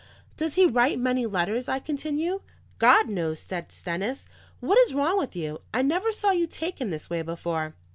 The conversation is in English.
"Does he write many letters?" I continued. "God knows," said Stennis. "What is wrong with you? I never saw you taken this way before."